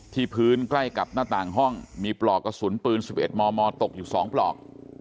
พื้นใกล้กับหน้าต่างห้องมีปลอกกระสุนปืน๑๑มมตกอยู่๒ปลอก